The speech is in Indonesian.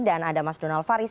dan ada mas donald faris